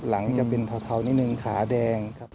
หลังจะเป็นเทานิดนึงขาแดงครับ